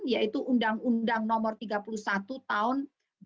yaitu undang undang nomor tiga puluh satu tahun dua ribu